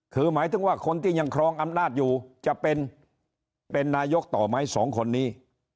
คือหมายถึงว่าคนที่ยังครองอำนาจอยู่จะเป็นนายกต่อไหม๒คนนี้